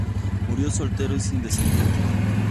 Murió soltero y sin descendientes.